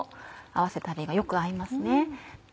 合わせたれがよく合いますね。